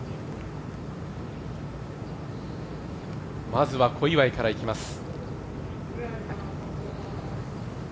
まずは小祝からいきます。